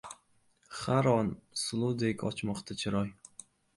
Har on, suluvdek ochmoqda chiroy